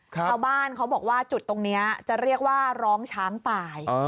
เขาบอกว่าจุดตรงนี้จะเรียกว่าร้องช้างตาย